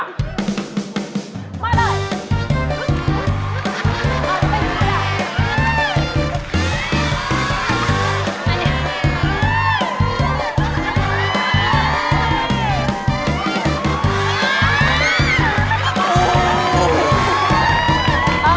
มาเลย